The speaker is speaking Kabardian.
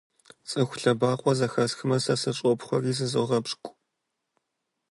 ЦӀыху лъэбакъуэ зэхэсхмэ, сэ сыщӀопхъуэри зызогъэпщкӀу.